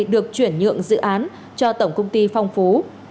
được chuyển nhượng dự án cho tổng công ty phong phú